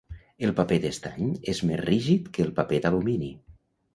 El paper d'estany és més rígid que el paper d'alumini.